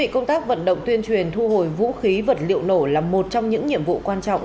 công tác vận động tuyên truyền thu hồi vũ khí vật liệu nổ là một trong những nhiệm vụ quan trọng